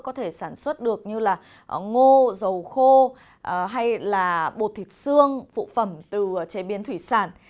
có thể sản xuất được như là ngô dầu khô hay là bột thịt xương phụ phẩm từ chế biến thủy sản